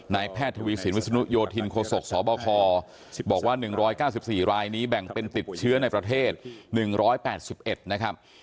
แพทย์ทวีสินวิศนุโยธินโคศกสบคบอกว่า๑๙๔รายนี้แบ่งเป็นติดเชื้อในประเทศ๑๘๑นะครับ